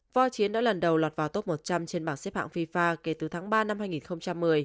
voi chiến đã lần đầu lọt vào top một trăm linh trên bảng xếp hạng fifa kể từ tháng ba năm hai nghìn một mươi